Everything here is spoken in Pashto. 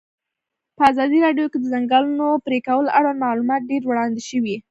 په ازادي راډیو کې د د ځنګلونو پرېکول اړوند معلومات ډېر وړاندې شوي.